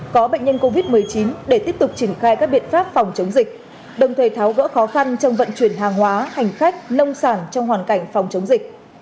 có bệnh nhân covid một mươi chín để tiếp tục triển khai các biện pháp phòng chống dịch đồng thời tháo gỡ khó khăn trong vận chuyển hàng hóa hành khách nông sản trong hoàn cảnh phòng chống dịch